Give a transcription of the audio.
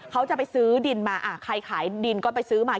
เขาจะไปซื้อดินมาใครขายดินก็ไปซื้อมา